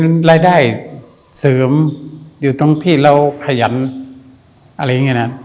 มันรายได้เสริมอยู่ตรงที่เราขยันอะไรอย่างนี้นะ